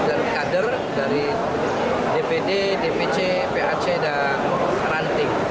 dan kader dari dpd dpc pac dan ranting